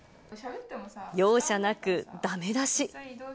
容赦なくだめ出し。